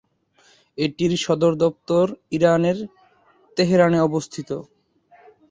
এটির সদরদপ্তর ইরানের, তেহরানে অবস্থিত।